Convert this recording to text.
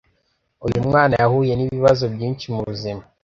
uyumwana yahuye nibibazo byinshi mubuzima